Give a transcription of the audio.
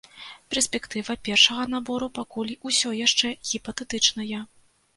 Перспектыва першага набору пакуль усё яшчэ гіпатэтычныя.